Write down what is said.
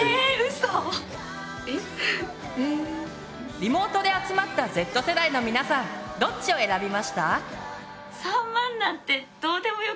リモートで集まったＺ世代の皆さんどっちを選びました？